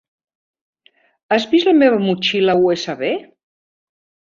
Has vist la meva motxilla USB?